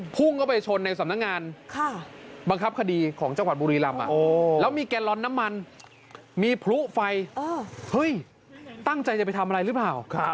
พุ่งเข้าไปชนในสำนักงานบังคับคดีของจังหวัดบุรีรำแล้วมีแกลลอนน้ำมันมีพลุไฟตั้งใจจะไปทำอะไรหรือเปล่า